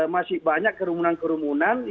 masih banyak kerumunan kerumunan